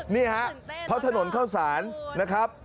นี่ฮะเพราะถนนเข้าสารนะครับ